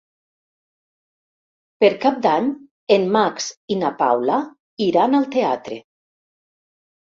Per Cap d'Any en Max i na Paula iran al teatre.